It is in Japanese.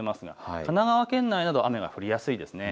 神奈川県内など雨が降りやすいです。